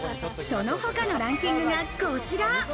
その他のランキングがこちら。